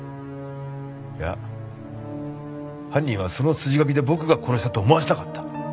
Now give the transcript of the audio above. いや犯人はその筋書きで僕が殺したと思わせたかった。